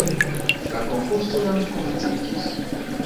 La konkurso jam komenciĝis